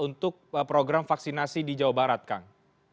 untuk program vaksinasi di jawa barat kang